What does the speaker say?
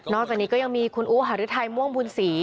จากนี้ก็ยังมีคุณอู๋หาริไทยม่วงบุญศรี